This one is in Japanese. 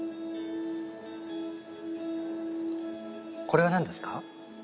これは何ですか？